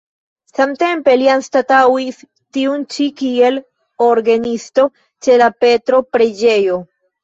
Samtempe li anstataŭis tiun ĉi kiel orgenisto ĉe la Petro-preĝejo.